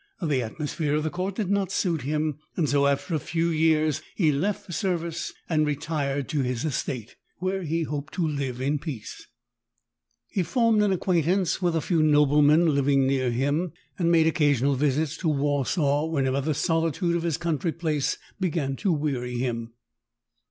The atmosphere of the court did not suit him, and so after a few years he left the service, and retired to his estate, where he hoped to live in peace. He formed an 1'HE serf's revenge. 107 acquaintance with a few noblemen living near him, and made occasional visits to Warsaw whenever the solitude of his country place began to weary him.